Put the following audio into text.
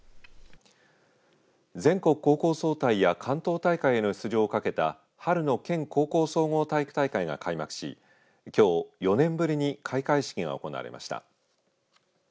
全国高校総体や関東大会の出場を懸けた春の県高校総合体育大会が開幕しきょう４年ぶりに開会式が行われました。